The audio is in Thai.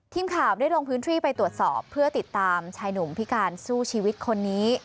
ทีมข่าวได้ลงพื้นที่ไปตรวจสอบเพื่อติดตามชายหนุ่มพิการสู้ชีวิตคนนี้